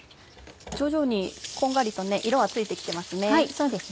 徐々にこんがりと色はついて来てますね。